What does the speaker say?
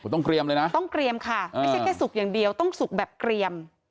ต้องเกรียมเลยนะต้องเกรียมค่ะไม่ใช่แค่สุกอย่างเดียวต้องสุกแบบเกรียม